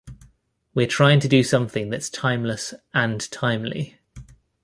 We're trying to do something that's timeless and timely.